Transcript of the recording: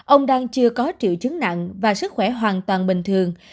ông đang chưa có triệu chứng nặng và sức khỏe hoàn toàn bình thường